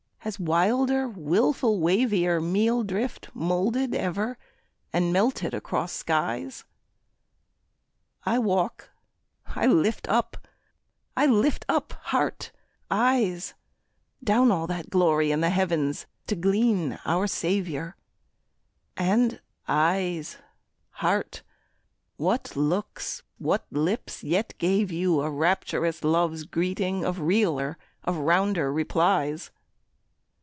has wilder, wilful wavier Meal drift moulded ever and melted across skies? I walk, I lift up, I lift up heart, eyes, Down all that glory in the heavens to glean our Saviour; And, éyes, heárt, what looks, what lips yet gave you a Rapturous love's greeting of realer, of rounder replies?